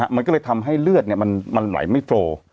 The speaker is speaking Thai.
มันก็เลยทำให้เลือดมันไหลไม่โฟร์